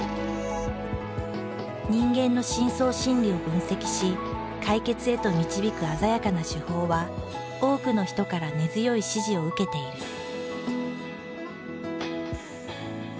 人間の深層心理を分析し解決へと導く鮮やかな手法は多くの人から根強い支持を受けている。